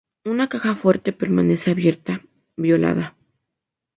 Una caja fuerte permanece abierta, violada.